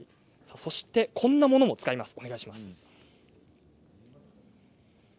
そして、こんなものも使われています。